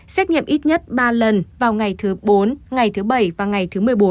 xét nghiệm ít nhất ba lần vào ngày thứ bốn ngày thứ bảy và ngày thứ một mươi bốn